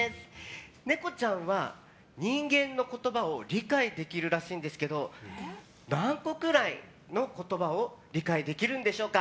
ネコちゃんは、人間の言葉を理解できるらしいんですが何個くらいの言葉を理解できるんでしょうか？